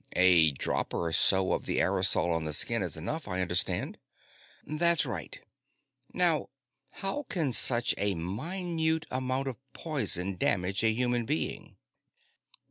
"A drop or so of the aerosol on the skin is enough, I understand." "That's right. Now, how can such a minute amount of poison damage a human being?"